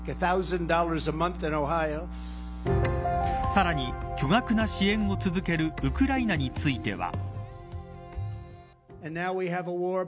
さらに、巨額な支援を続けるウクライナについては。